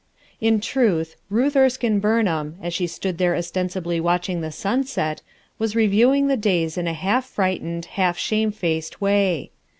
In truth, Ruth Erskine Burnham, as she stood there ostensibly watching the sunset, w as reviewing the days in a half frightened, half shamefaced way.